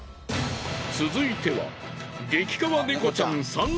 続いては。